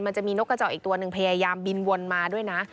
มันจะมีนกกระจอกอีกตัวหนึ่งพยายามบินวนมาด้วยนะ